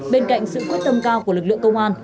bên cạnh sự quyết tâm cao của lực lượng công an